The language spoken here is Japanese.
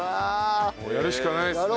もうやるしかないですね。